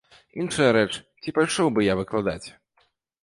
Іншая рэч, ці пайшоў бы я выкладаць.